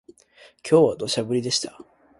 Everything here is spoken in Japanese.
今日は土砂降りでした